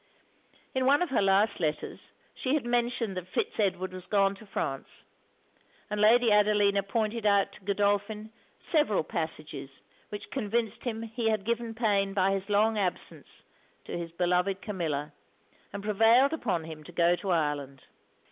In one of her last letters, she had mentioned that Fitz Edward was gone to France; and Lady Adelina pointed out to Godolphin several passages which convinced him he had given pain by his long absence to his beloved Camilla, and prevailed upon him to go to Ireland.